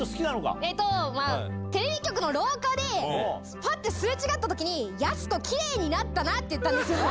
えーと、まあ、テレビ局の廊下で、ぱってすれ違ったときに、やす子、きれいになったなって言ったんですよ。